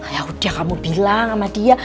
ya udah kamu bilang sama dia